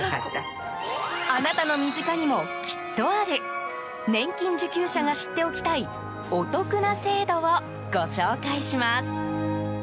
あなたの身近にもきっとある年金受給者が知っておきたいお得な制度をご紹介します。